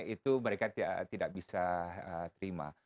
itu mereka tidak bisa terima